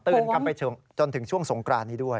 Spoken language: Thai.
คำไปจนถึงช่วงสงกรานนี้ด้วย